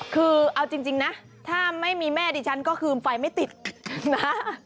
คือเอาจริงนะถ้าไม่มีแม่ดิฉันก็คือไฟไม่ติดนะ